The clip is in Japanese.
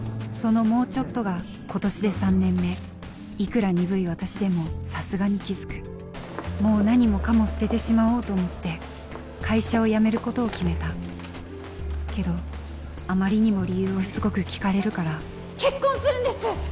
その「もうちょっと」が今年で３年目いくら鈍い私でもさすがに気づくもう何もかも捨ててしまおうと思って会社を辞めることを決めたけどあまりにも理由をしつこく聞かれるから結婚するんです！